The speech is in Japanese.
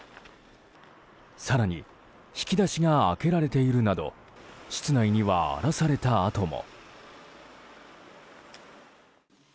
更に、引き出しが開けられているなど室内には荒らされた跡も。